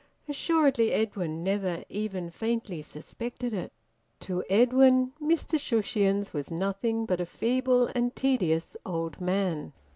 Assuredly Edwin never even faintly suspected it. To Edwin Mr Shushions was nothing but a feeble and tedious old man.